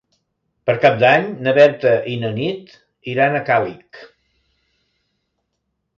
Per Cap d'Any na Berta i na Nit iran a Càlig.